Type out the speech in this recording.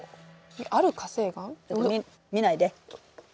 ある火成岩？見ないで。